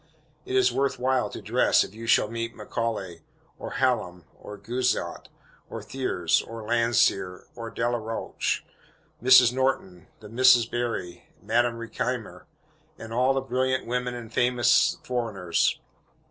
It is worth while to dress, if you shall meet Macaulay, or Hallam, or Guizot, or Thiers, or Landseer, or Delaroche Mrs. Norton, the Misses Berry, Madame Recamier, and all the brilliant women and famous foreigners.